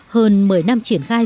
hơn một mươi năm triển khai